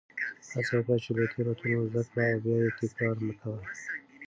هڅه وکړه چې له تېروتنو زده کړه او بیا یې تکرار مه کوه.